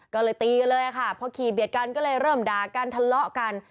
ก็เลยตีกันเลยค่ะพอขี่เบียดกันก็เลยเริ่มด่ากันทะเลาะกัน